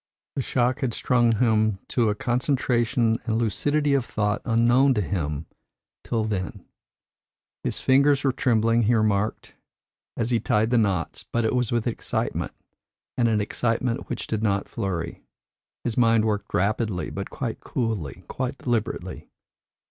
The shock had strung him to a concentration and lucidity of thought unknown to him till then. His fingers were trembling, he remarked, as he tied the knots, but it was with excitement, and an excitement which did not flurry. His mind worked rapidly, but quite coolly, quite deliberately.